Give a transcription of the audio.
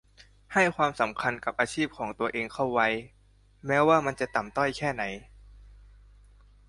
ให้ความสำคัญกับอาชีพของตัวเองเข้าไว้ แม้ว่ามันจะต่ำต้อยแค่ไหน